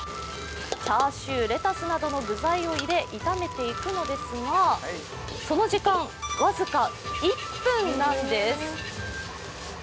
チャーシュー、レタスなどの具材を入れ炒めていくんですがその時間、僅か１分なんです。